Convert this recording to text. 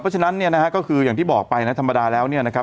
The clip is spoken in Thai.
เพราะฉะนั้นก็คืออย่างที่บอกไปธรรมดาแล้วนะครับ